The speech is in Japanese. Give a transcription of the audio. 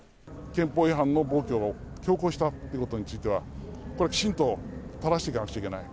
憲法違反の暴挙を強行したということについては、これ、きちんとただしていかなくちゃいけない。